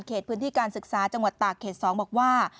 พื้นที่การศึกษาจังหวัดตากเขต๒บอกว่า